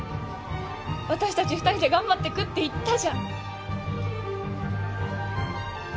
私たち２人で頑張ってくって言ったじゃん。